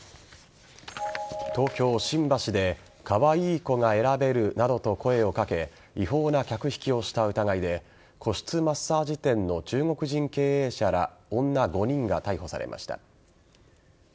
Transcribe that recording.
東京・新橋でカワイイ子が選べるなどと声をかけ違法な客引きをした疑いで個室マッサージ店の中国人経営者ら女５人が逮捕されました。